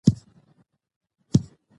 د ژبې د پرمختګ لپاره باید هڅه وسي.